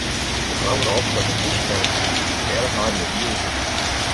De frou rôp dat de plysje belle wie en dêrop naaiden de dieders út.